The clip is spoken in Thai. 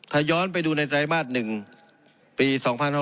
ถ้าย้อนไปดูในไตรมาส๑ปี๒๕๖๒